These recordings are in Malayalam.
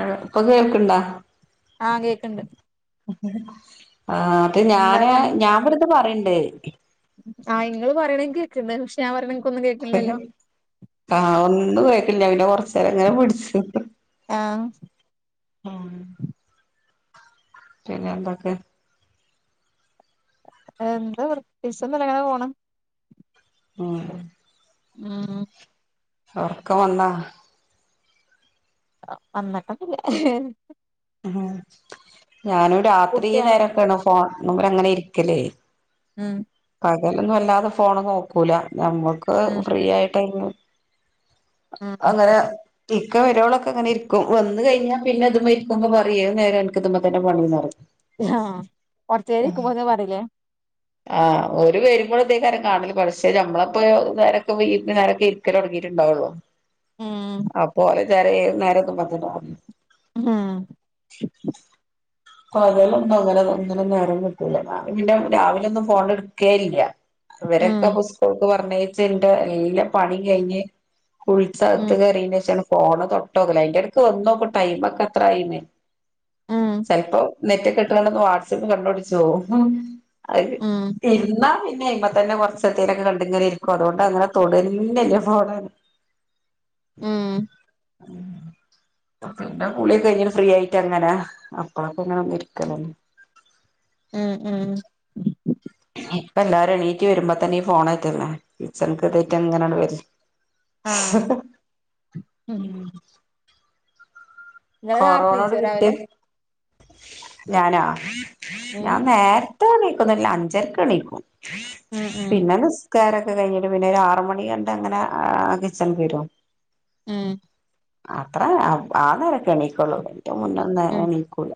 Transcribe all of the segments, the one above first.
ആഹ് ഇപ്പൊ കേൾക്കണ്ടാ? ആഹ് കേക്ക്ണ്ട്. ആഹ് അപ്പ എന്താ ഞാന് പണി ഞാൻ വെറുതെ പറയ്ണ്ട്. ആഹ് ഇങ്ങള് പറയണൻക്ക് കേക്കുന്ന്ംപക്ഷെ ഞാൻ പറയണ ഇങ്ങക്ക് ഒന്നും കേ ആഹ് ഒന്നും കേക്കണില്ല പിന്നെ കൊറച്ചു നേരം ഇങ്ങനെ പിടിച്ചു ആഹ് ആഹ് പിന്നെ എന്തൊക്കെ എന്താ വൃത്തീസം ഒന്നൂല്ല ഇങ്ങനെ പോണ് ആഹ് ഉം ഉറക്കം വന്നാ. ആഹ് വന്നട്ടൊന്നുല്ല. ഉം ഞാനും രാത്രി ഈ കുട്ട്യാളെ നേരൊക്കെയാണ് ഫോൺ മുമ്പിലങ്ങ് ഇരിക്കലേ. ഉം പകലൊന്നും അല്ലാതെ ഫോണ് നോക്കൂല ഞമ്മക്ക് ഉം ഫ്രീ ആയിട്ട് ഉം അങ്ങനെ ഇക്ക വര്വോളൊക്കിങ്ങനിരിക്കും വന്ന് കഴിഞ്ഞാ പിന്നെ ഇതുമ്മേ ഇരിക്കുമ്പ പറയും ഏത് നേരേം ഇൻക്ക്തുമ്മേ തന്നെ പണിന്ന് പറയും ആഹ് കൊറച്ചേരം ഇരിക്കുമ്പത്തേന് പറയില്ലേ ആഹ് ഓര് വരുമ്പോളിതേക്കാരം കാണല് കൊറച്ച് നമ്മളപ്പോ ഒര് നേരൊക്കൊ വൈനേരൊക്കൊ ഇരി ക്കലൊടങ്ങീട്ട് ഇണ്ടാവ്ള്ളൂ ഉം അപ്പോലെ ചാരെ ഏത് നേരത്തും പറഞ്ഞിണ്ടാവും ആഹ് പകലൊന്നും അങ്ങനെ ഒന്നിനും നേരം കിട്ടൂല ഞാൻ പിന്നെ രാവിലൊന്നും ഫോണെട്ക്കേ ഇല്ല ഇവരൊക്കെ ഉം സ്കൂള്ക്ക് പറഞ്ഞയച്ച്ണ്ട് എല്ലാ പണിയും കയിഞ്ഞ് ഉം കുളിച്ചകത്ത് കയറിഞ്ഞ് ശേഷാണ് ഫോണ് തൊട്ടോക്കല് അയിന്റെടക്ക് വന്നോക്കും ടൈമൊക്കെത്രായീന്ന് ഉം ചെലപ്പൊ നെറ്റൊക്ക്ട്ടുകൊണ്ടൊന്ന് വാട്സാപ്പ് കണ്ണോടിച്ച് പോവും അത് ഉം ഇരുന്നാ പിന്നെ അയ്മത്തന്നെ കൊറച്ച് ട്ടെത്തേലൊക്കെ കണ്ടിങ്ങനിരിക്കും അതുകൊണ്ടങ്ങനെ തൊടെന്നില്ല ഫോണ് മ് പിന്നെ കുളിയൊക്കെ കഴിഞ്ഞ്ട്ട് ഫ്രീയായിട്ടങ്ങനെ [unintelligible] ഇരിക്കലേ മ് മ് ഇപ്പെല്ലാരും എണീറ്റ് വരുമ്പൊത്തന്നീ ഫോണെത്തന്നെ കിച്ചണ്ക്കേറീട്ടങ്ങനണ്ട് വരി ആഹ് മ് ഇങ്ങള് കൊറോണേട നേർത്തീച്ചോ കിറ്റ് രാവിലെ ഞാനാ ഉം ഞാൻ നേരത്തെണീക്കൊന്നില്ല അഞ്ചരക്കെണീക്കും ഉം ഉം പിന്നെ നിസ് കാരക്കെ കഴിഞ്ഞിട്ട് പിന്നൊരു ആറ് മണി കണ്ടങ്ങനെ കിച്ചണ്ക്ക് വരും മ് അത്ര ആനേരൊക്കെ എണീക്കൊള്ളൂ അയിന്റെ മുന്ന ന്ന് ഉം എണീക്കൂല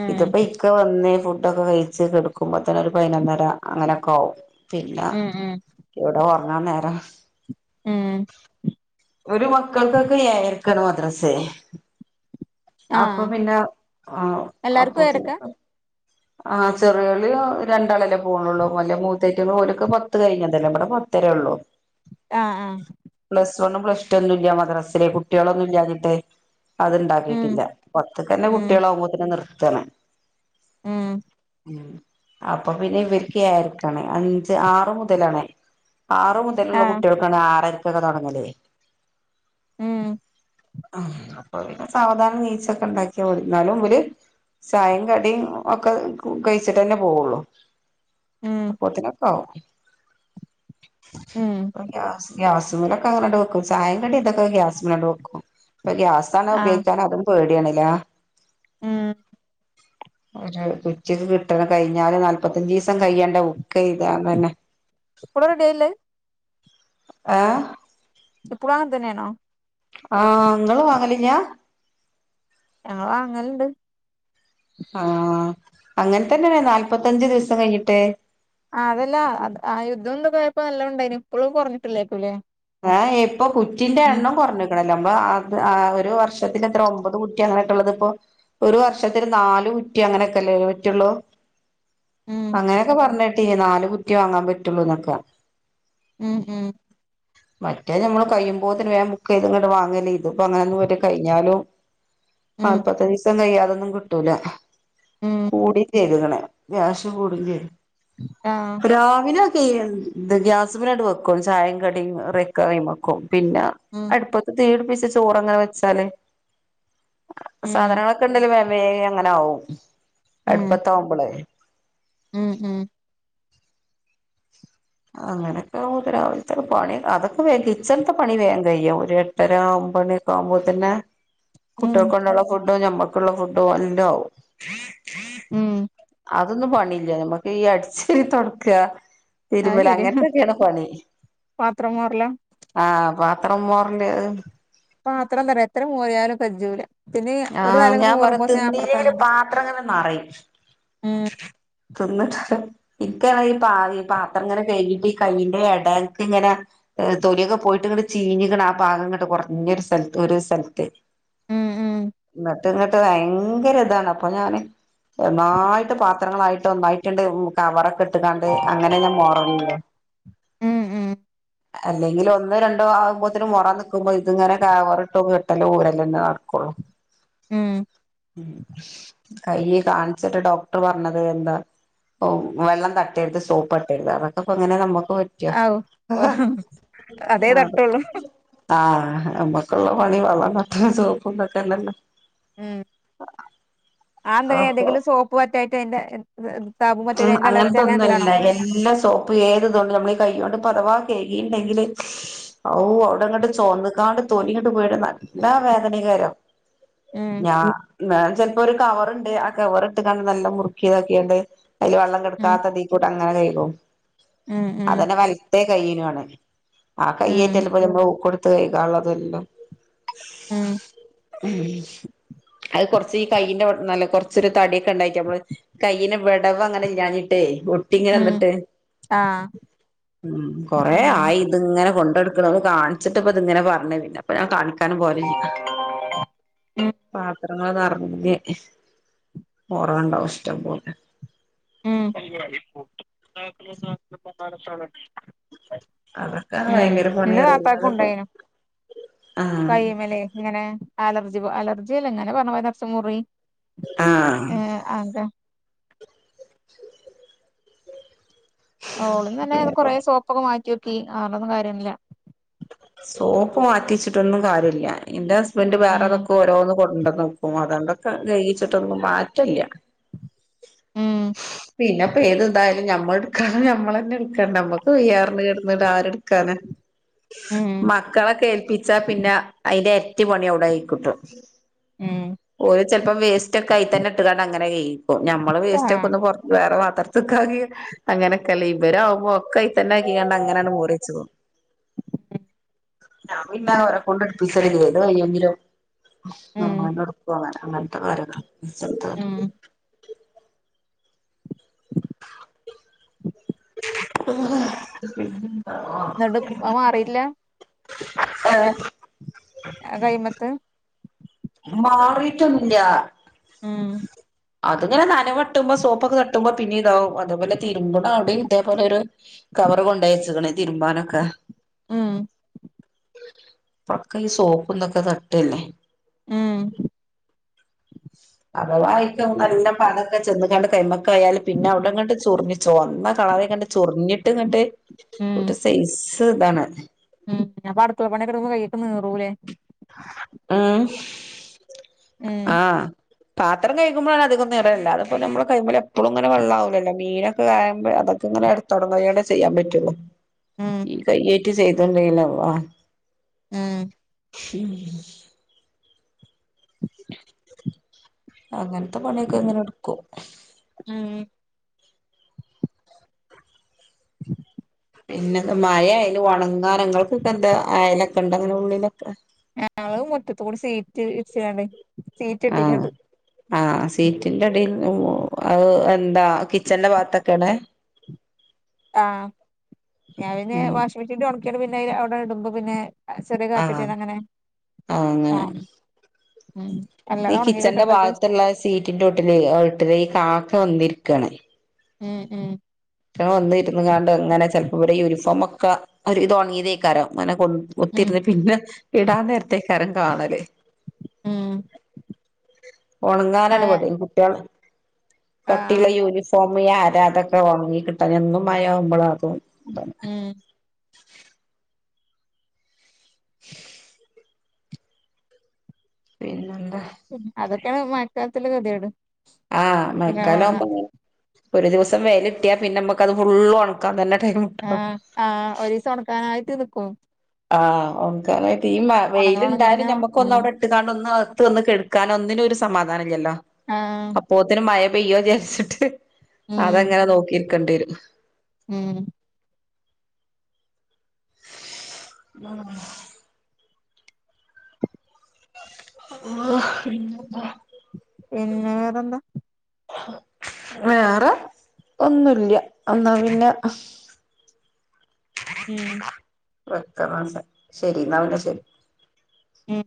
ഉം ഇതിപ്പ ഇ ക്ക വന്ന് ഫുഡൊക്കെ കഴിച്ച് കെടക്കുമ്പൊത്തന്നൊരു പയിനൊന്നര അങ്ങനൊക്കാവും പിന്ന ഉം ഉം ഇവിടെ ഒറങ്ങാന്നേരം ഉം വ്‌ടെ മക്കൾക്കൊക്കെ ഏഴര്ക്കാണ് മദ്രസേ അപ്പൊ ആഹ് പിന്നെ ആഹ് എല്ലാർക്കും ഏഴരക്കാ അപ്പോത്തിനൊക്കെ ആ ചെറിയാളി രണ്ടാളല്ലേ പോണൊള്ളൂ വല്യ മൂത്തയ്റ്റങ്ങള് ഓലൊക്കെ പത്ത് കയിഞ്ഞതല്ലേ ഇവിടെ പത്തരേയുള്ളൂ [unintelligible] ആഹ് ആഹ് പ്ലസ് വണ്ണും പ്ലസ് ടൂഒന്നുല്ല മദ്രസിലെ കുട്ടികളൊന്നും ഇല്ലാഞ്ഞിട്ടേ ഉം അത്ണ്ടാക്കീട്ടില്ല പത്ത്ക്കന്നെ ഉം കുട്ടികളാകുമ്പൊത്തന്നെ നിർത്താണ് ഉം മ് അപ്പൊപ്പിന്നെ ഇവര്ക്ക് ഏഴര ക്കാണ് അഞ്ച് ആറ് മുതലാണ് ആറ് മു തലുള്ള ആഹ് കുട്ടികൾക്കാണ് ആറരക്കൊക്കെ തൊടങ്ങല് ഉം ആഹ് അപ്പൊ സാവധാനം എണീ ച്ചൊക്കൊണ്ടാക്കിയമതി എന്നാലും ഇവര് ചായേം കടിയും ഒക്കെ കഴിച്ചിട്ടന്നെ പോവോള്ളു ഉം അപ്പോത്തിനൊക്കാകും ഉം ഗ്യാസ് ഗ്യാസ്മ്മെലെ ക്കങ്ങട്ട് വെക്കും ചായേം കടിം ഇതൊക്കെ ഗ്യാസ്മ്മേലങ്ങ്ട്ട് വെക്കും ഇപ്പൊ ഗ്യാസാണ് ആഹ് ഉപയോഗിക്കാറ് അതും പേടിയാണ്ല്ലേ ആഹ് ഒരു കുറ്റിയൊക്കെ കിട്ടണ കഴിഞ്ഞാല് നാല്പത്തഞ്ചിസം കയ്യണ്ടേ ബുക്കെയ്താ തന്നെ ഇപ്പളും റെഡിയായില്ലേ ആഹ് ഇപ്പളും അങ്ങനെതന്നെയാണോ ആഹ് ഇങ്ങള് വാങ്ങലില്ലാ ഞങ്ങള് വാങ്ങല്ണ്ട് ആഹ് അങ്ങനെത്തന്നെ നാല്പത്തഞ്ച് ദിവസം കഴിഞ്ഞിട്ട് ആഹ് അതല്ല അ ആ യുദ്ധം എന്തൊക്കെയപ്പ ല്ല ഉണ്ടായിനി ഇപ്പോഴും കൊറഞ്ഞിട്ടില്ലേക്കുംല്ലേ ഏഹ് ഇപ്പൊ കുറ്റിന്റെ എണ്ണം കൊ റഞ്ഞു [unintelligible] അഹ് ഒരു വർഷത്തിന് എത്ര ഒമ്പത് കുറ്റി അങ്ങനെയൊട്ടാള്ളത് ഇപ്പോ ഒരു വർഷത്തില് നാല് കുറ്റി അങ്ങനെയൊക്കല്ലേ പറ്റുള്ളൂ ഉം അങ്ങനെയൊക്കെ പറഞ്ഞെട്ടീ നാല് കുറ്റിയെ വാങ്ങാൻ പറ്റുള്ളു എന്നൊക്കാ ഉം ഉം മറ്റേത് നമ്മള് കഴിയുമ്പോത്തിന് വേഗം ബുക്ക് ചെയ്ത് ഇങ്ങോട്ട് വാങ്ങലേ ഇത്പ്പ അങ്ങനൊന്നും പറ്റില്ല കഴിഞ്ഞാലും ഉം നാല്പത്തി അഞ്ച് ദിവസം കയ്യാതൊന്നും കിട്ടൂല ഉം കൂടീ ചെയ്ത്ക്ക്ണ് ഗ്യാസ് കൂടും ചെയ്ത്ക്ക്ണ് ആഹ് രാവിലൊക്കെ ഈ ഗ്യാസ്മേല്അങ്ങട്ട് വെക്കും ചായേം കടിയുംകറിയും വെക്കും പിന്ന ഉം അടുപ്പത്തു തീപിടിപ്പിച്ച ചോറങ്ങനെ വെച്ചാല് ഉം സാധനങ്ങളൊക്കെണ്ടല്ല് വേഗം അങ്ങനെ ആവും ഉം അടുപ്പത്താവുമ്പളേ ഉം ഉം അങ്ങനൊക്കെ രാവിലത്തെ പണി അതൊക്കെ വേഗം കിച്ചണത്തെ പണി വേഗം കയ്യും ഒരു എട്ടര ഒമ്പത് മണിയൊക്കെ ആവുമ്പോ തന്നെ ഉം കുട്ടികൾക് കൊണ്ടോകാള്ള ഫുഡ് ഞമ്മൾക്കുള്ള ഫുഡ് എല്ലും ആവും ഉം അതൊന്നും പണിയില്ല നമക്ക് ഈ അടിച്ചേരി തുടക്ക അത് തിരുമ്പല് ശെരിയാ അങ്ങനത്തൊക്കെയാണ് പണി പാത്രം മോറലാ ആഹ് പാത്രം മോറല് പത്രം ന്താ പറയ എത്ര മോറിയാലും കജ്ജുല്ല ആഹ് ഞാൻ പറയും തിന്നീലെങ്കിലും തലണ്ടാവും പാത്രം ഇങ്ങനെ നെറയും ഉം തിന്നിട്ട് ഇക്ക് ആണെങ്കിൽ ഈ പാത്രം ഇങ്ങനെ കഴുകിട്ട് ഈ കൈയിന്റെ ഇടൊക്കെ ഇങ്ങനെ തൊലിയൊക്കെ പോയിട്ട് ഇങ്ങട്ട് ചീഞ്ഞിക്കണ ആ ഭാഗ ഇങ്ങോട്ട് കുറഞ്ഞൊരു സ്ഥലത്ത് ഒരു സ്ഥലത്ത് ഉം ഉം എന്നിട്ട് ഇങ്ങിട്ട് ഭയങ്കര ഇതാണ് അപ്പൊ ഞാന് നന്നായിട്ട് പാത്രങ്ങളായിട്ട് ഒന്നായിട്ടുണ്ട് കവറൊക്കെ ഇട്ട് ഇട്ട് കാണ്ട് അങ്ങനെ ഞാൻ മോറലൊള്ളൂ ഉം അല്ലെങ്കിൽ ഒന്ന് രണ്ടോ ആകുമ്പോത്തേും മുറം നൽക്കുമ്പോ ഇതിങ്ങന കവർ ഇട്ടും കേട്ടലും ഊരല്ലന്നേ നടക്കുള്ളൂ ഉം കൈ കാണിച്ചിട്ട് ഡോക്ടർ പറഞ്ഞത് എന്താ വെള്ളം തട്ടരുത് സോപ്പ് തട്ടരുത് അതൊക്കെ അങ്ങനെ നമുക്ക് പ റ്റൊ ഔ അതേ ആഹ് തട്ടുള്ളൂ ആഹ് നമ്മക്കുള്ള പണി വെള്ളം തട്ടലും സോപ്പന്തൊക്കെന്നല്ല ഉം ആഹ് അപ്പൊ ഏതെങ്കിലും സോപ്പ് പറ്റായിട്ട് അതിന്റെ [unintelligible] ഉം അലർജി അങ്ങനത്തെ അങ്ങനെ ഒന്നുംല്ല എന്തെലാണോ എല്ലാ പ്പൊ ഏതു ഇതു കൊണ്ടു നമ്മളീ കൈ കൊണ്ട് അഥവാ കേകിണ്ടെങ്കില് ഔഹ് അവിടെങ്ങോട്ട് ചുവന്നക്കാണ്ട് തോലിങ്ങോട്ട് പോയിട്ട് നല്ല വേദനകാരോ ഉം ഞാൻ ചെലപ്പോ ഒരു കവറുണ്ട് ആ കവർ ഇട്ട് കണ്ട് നല്ല മുറുക്കി ഇതൊക്കിയണ്ട് അതിൽ വെള്ളം ഉം കെടുക്കാത്തതികൂടെ അങ്ങനെ കൈകും ഉം ഉം അതന്നെ വലത്ത കൈനാണ് ആ കയ്യേറ്റ് ഉം അല്ലെ ഇപ്പൊ നമ്മൾ ഊക്കടുത്ത് കൈകാള്ളതല്ലോ ഉം ഉം അത് കുറച്ച് ഈ കയ്യിന്റെ നല്ല കുറച്ചൊരു തടിക്കെ ഉണ്ടായിട്ട് നമ്മള് കൈയിന്ന് ഇവിടെ വിടവ് അങ്ങനെ ഇല്ലാഞ്ഞിട്ടേ ഒട്ടി ഇങ്ങനെ ഉം ന്നിട്ട് ആഹ് ഉം കൊറേ ഉം ആയി ഇത് ഇങ്ങനെ കൊണ്ടെടുക്കണം കാണിച്ചിട്ട് ഇപ്പ ഇത് ഇങ്ങനെ പറഞ്ഞ പിന്നെ അപ്പൊ ഞാൻ കാണിക്കാനും പോലില്ല ഉം പാത്രങ്ങൾ നെറഞ്ഞ് ഓറവുണ്ടാവും ഇഷ്ടം പോലെ ഉം അതൊക്കെ ഉം ഭയങ്കര എന്റെ പണിയാ താത്താക്കും അല്ലാതിപ്പോ ഒണ്ടായിനു ആഹ് കൈമലേ ഇങ്ങനെ അലർജി പോ അലർജി അല്ല എങ്ങനെ പറഞ്ഞ പോലെ നെർച്ച മുറി ഏ ആഹ് ആഗ ഓള് ഇന്നലെ ഏതോ കൊറെേ സോപ്പൊക്കെ മാറ്റിക്കി ആന്നും കൊണ്ട് കാര്യമില്ല സോപ്പ് മാറ്റിച്ചിട്ട് ഒന്നും കാര്യല്ല എന്റെ ഹസ്ബൻഡ് ഉം വേറെത് ഒക്കെ ഓരോന്ന് കൊണ്ട് എക്കണ് അ അത് കൊണ്ട് ഒക്കെ കയിച്ചിട്ട് ഒന്നും മാറ്റം ഇല്യ ഉം പിന്നെ ഇപ്പ ഏത് ന്താ ഞമ്മള് എടുക്കാന ഞമ്മള് അന്നെ എടുക്ക നമ്മക്ക് വയ്യാറിന്ന് കെടന്നിട്ട് ആര് എടുക്കാന ഉം മക്കളെക്കെ ഏൽപ്പിച്ചാ പിന്നെ അയിന്റെ എരട്ടി പണി ഒണ്ടായി കിട്ടും ഉം ഒരു ചെലപ്പം വേസ്റ്റ് ഒക്കെ ആയി തന്നെ ഇട്ടും കൊണ്ട് അങ്ങനെ കയിക്കും ഞമ്മള് വേസ്റ്റ് ഒക്കെ ആഹ് ഒന്ന് പൊറ വേറെ പാത്രത്തക്കാആക്കി അങ്ങനെ ഒക്കെ അല്ലേ ഇവര് ആവുമ്പോ ഒക്കെ അയ്യി തന്നെ ആക്കിക്കണ്ട് അങ്ങനെ അന്നെ മോറിച്ച് പോവും ഞാൻ പിന്നെ അവരെ കൊണ്ട് എടിപ്പിച്ചലില്ലേ ഏത് വയ്യെങ്കിലും ഉം നമ്മളെന്നെ എടുക്കും പോവാന് അങ്ങനത്തെ കാര്യങ്ങൾ ഉം [unintelligible] [unintelligible] എന്നിട്ട് ഇപ്പ മാറിയിട്ടില്ല ആഹ് ആ കൈമത്ത് മാറിട്ട് ഒന്നും ഇല്യ ഊം അത്ങ്ങനെ നനവട്ടുമ്പോ സോപ്പ് ഒക്കെ തട്ടുമ്പോ പിന്നെ ഇതാവും അതേപോലെ തിരുമ്പണ അവിടെയും ഇതേപോലെ ഒരു കവർ കൊണ്ട് വെച്ചക്കണ് തിരുമ്പാന് ഒക്കെ ഉം ഇപ്പൊക്കെ ഈ സോപ്പും ഇതൊക്കെ തട്ടല്ലേ ഉം അഥവാ ഏറ്റവും നല്ല പത ഒക്കെ ചെന്ന് ങ്ങാണ്ട് കയ്യിൻ മക്ക് ആയാല് പിന്നെ അവിടെങ്ങട്ട് ചൊറിഞ്ഞ് ചോന്ന കളറയ്ക്കാണ്ട് ചൊറിഞ്ഞിട്ട് ഇങ്ങട്ട് ഉം ഒരു സൈസ് ഇതാണത് ഉം ഞപ്പ അടുക്കളപണി ഒക്കെ എടുക്കുമ്പോ കൈ ഒക്കെ നീറൂലേ ഉം ഉം ആഹ് പത്രം കഴുമ്പളാണ് അധികം നിറൽ ഇല്ല അത് അപ്പോ ഞമ്മള് കയ്യുന്മേൽ എപ്പഴളും ഇങ്ങനെ വെള്ളം ആകുല്ലല്ലോ അല്ലോ മീന് ഒക്കെ ആക്കുമ്പോ അത് ക്കിങ്ങനെ എട് തൊടങ്ങും ആയോണ്ടേ ചെയ്യാൻ പറ്റുള്ളൂ ഉം ഈ കയ്യേറ്റി ചെയ്ത ഇണ്ടെങ്കില് വാ ഉം ഉം അങ്ങനത്തെ പണി ഒക്കെ ഇങ്ങനെ എടുക്കും ഉം പിന്നെ എന്ത് മഴയാലും ഒണങ്ങാൻ നിങ്ങൾക്ക് ഒക്കെ എന്ത് അയലൊക്കെ ഒണ്ടോ നിങ്ങടെ വീടിന് ഉള്ളിൽ ഒക്കെ ഉം ഞങ്ങള് മുറ്റത്ത് കൂടി സീറ്റ് ഇച്ചാണ്ട് സീറ്റ് ആഹ് ഇട്ടിങ്ങാണ്ട് ആഹ് സീറ്റിന്റെ അടിയിൽ ഓഹ് അത് എന്താ കിച്ചന്റെ ഭാഗത്ത് ഒക്കെ ആണ് ആഹ് ഞാന് പിന്നെ ഉം വാഷിംഗ് മെഷീൻ ഉണക്കിയാണ് പിന്നെ അവിടെ ഇടുമ്പോ പിന്നെ ആഹ് ചെറിയ ആഹ് കാറ്റട്ടിയാണ്ട് അങ്ങനെ ആഹ് ഉം ഈ അല്ലാതെ ഉണങ്ങി കിച്ചന്റെ കിട്ടണ്ടത് ഭാഗത്ത് ഉള്ള സീറ്റിന്റെ ഒട്ടിലേ ഒട്ടില് ഈ കാക്ക വന്നിരിക്കാണ് ഉം ഉം അയ്റ്റാള് വന്നിരുന്നു കാണ്ട് അങ്ങനെ ചെലപ്പോ ഇവിടെ യൂണിഫോം ഒക്കെ ഒരുവിധം ഒണങ്ങിയത് അയ്ക്കാരം അങ്ങനെ കൊള്ള ഉം കുത്തിരുന്ന് പിന്നെ ഇടാ നേരത്തേക്കാരം കാണല് ഉം ഒണങ്ങാനാണ് ആഹ് പെടാ ഈ കുട്ടിയാ കട്ടിയ്ള്ള ആഹ് യൂണിഫോംമ് ഈ ആര അതൊക്കെ ഒണങ്ങി കിട്ടാന് എന്നും മയയാവുമ്പള് അതും ഇതാണ് ഉം പിന്നെന്താ? അതൊക്കെയാണ് മഴക്കാലതൊള്ള ഗഥികേട് ആഹ് മഴക്കാലം അവ്മ്പങ്ങനെ ഒര് ദിവസം വെയിലിട്ടിയാ പിന്നെ അമ്മക്കത് ഫുള്ളൊണക്കാൻ തന്നെ ടൈമ് ആഹ് ആഹ് ഒരീസം ഒണക്കാനായിട്ട് നിക്കും. ആഹ് ഓണക്കാനായിട്ട് ഈ മ ഒണങ്ങണം ഒണങ്ങണം വെയില്ണ്ടായാലും ഒണങ്ങണം ഞമ്മക്ക് ഒന്ന് ഉം അവ്ടെ ഇട്ട്കാണ്ട് ഒന്ന് അകത്ത് വന്ന് കെട്ക്കാനോ ഒന്നിനും ഒര് സമാധാനം ഇല്ലല്ലോ? ആഹ് പ്പോത്തിന് മയ പെയ്യോ വിജാരിച്ചിട്ട് ഉം അതങ്ങനെ നോക്കിയിരിക്കണ്ടവരും. ഉം ഉം ആഹ് പിന്നെന്താ? പിന്നെ വേറെന്താ? വേറെ ഒന്നുംഇല്യ എന്നാ പിന്നെ ഉം വെക്കാറാണ്ട് ശെരി എന്ന ഓക്കെ ശെരി. ഉം